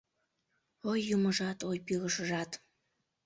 Ой, юмыжат, ой, пӱрышыжат!